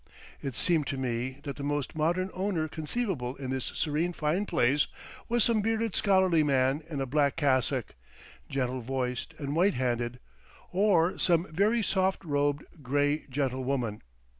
It seemed to me that the most modern owner conceivable in this serene fine place was some bearded scholarly man in a black cassock, gentle voiced and white handed, or some very soft robed, grey gentlewoman.